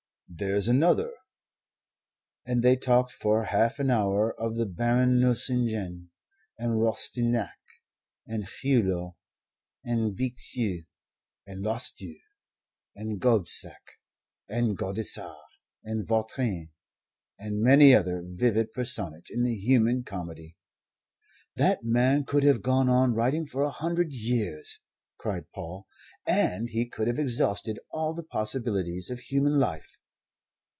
"There's another " And they talked for half an hour of the Baron Nucingen, and Rastignac, and Hulot, and Bixiou, and Lousteau, and Gobsec, and Gaudissart, and Vautrin, and many another vivid personage in the human comedy. "That man could have gone on writing for a hundred years," cried Paul, "and he could have exhausted all the possibilities of human life."